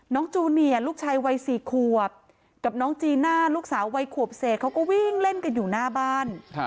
จูเนียลูกชายวัย๔ขวบกับน้องจีน่าลูกสาววัยขวบเศษเขาก็วิ่งเล่นกันอยู่หน้าบ้าน